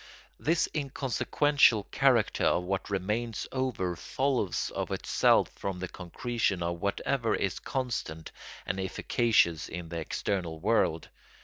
This inconsequential character of what remains over follows of itself from the concretion of whatever is constant and efficacious into the external world.